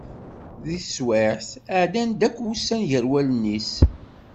Deg teswiɛt, ɛeddan-d akk wussan gar wallen-is.